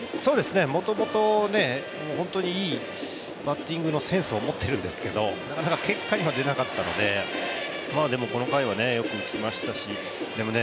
もともと本当にいいバッティングのセンスを持っているんですけどなかなか結果には出なかったので、でもこの回はよく打ちましたね。